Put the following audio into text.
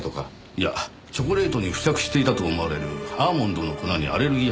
いやチョコレートに付着していたと思われるアーモンドの粉にアレルギー反応を起こし